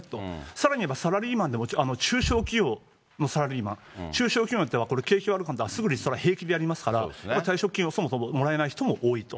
さらに言えば、サラリーマンでも中小企業のサラリーマン、中小企業の人はこれ、景気悪かったらすぐリストラ平気でやりますから、これ退職金をそもそももらえない人も多いと。